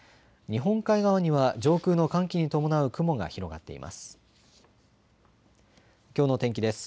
日本海側には上空の寒気に伴う雲が広がっています。